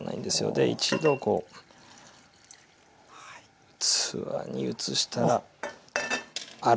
で一度こう器に移したらあら